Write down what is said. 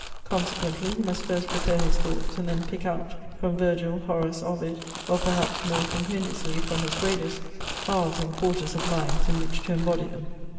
Consequently he must first prepare his thoughts, and then pick out, from Virgil, Horace, Ovid, or perhaps more compendiously from his Gradus, halves and quarters of lines, in which to embody them.